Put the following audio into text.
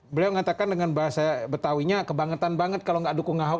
beliau mengatakan dengan bahasa betawinya kebangetan banget kalau nggak dukung ahok